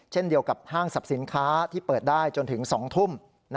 เช่นเดียวกับห้างสรรพสินค้าที่เปิดได้จนถึง๒ทุ่ม